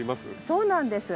そうなんです。